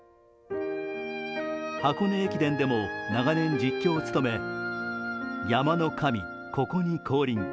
箱根駅伝でも長年実況を務め「山の神ここに降臨」